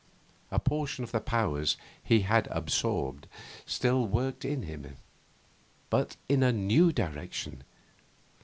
A portion of the powers he had absorbed still worked in him, but in a new direction.